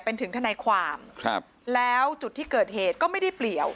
เป็นถึงทนายความครับแล้วจุดที่เกิดเหตุก็ไม่ได้เปลี่ยว